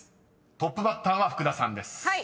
トップバッターは福田さんです］